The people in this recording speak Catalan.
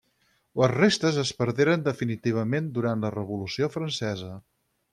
Les restes es perderen definitivament durant la Revolució francesa.